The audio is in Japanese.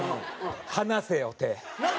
離せよ手。